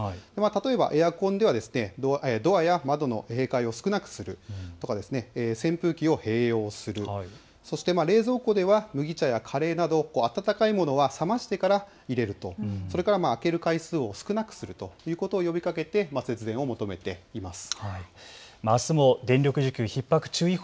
例えばエアコンはドアや窓の閉開を少なくするとか、扇風機を併用する、そして冷蔵庫では麦茶やカレーなど温かいものは冷ましてから入れると、それから開ける回数を少なくするということを呼びかけて節電を求めています。